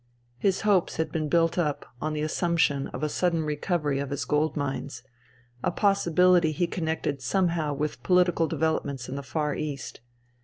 His hopes had been built up on the assumption of a sudden recovery of his gold mines, a possibility he connected somehow with political developments in the Far East.